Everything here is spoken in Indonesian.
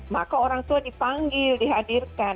maka orang tua dipanggil dihadirkan